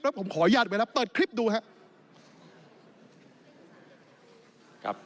ผมขออนุญาตไว้แล้วเปิดคลิปดูครับ